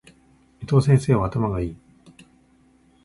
伊藤先生は頭が良い。